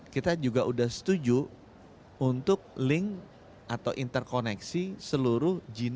kita juga sudah setuju untuk link atau interkoneksi seluruh jenis